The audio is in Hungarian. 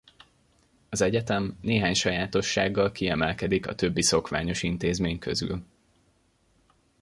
Az egyetem néhány sajátossággal kiemelkedik a többi szokványos intézmény közül.